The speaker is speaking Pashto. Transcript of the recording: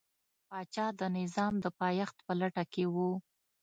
پاچا د نظام د پایښت په لټه کې و.